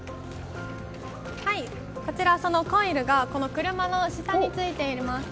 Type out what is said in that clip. こちら、そのコイルがこの車の下についています。